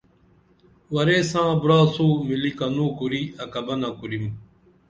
ورے ساں براسوں ملی کنوں کُرِی اکبنہ کُرِم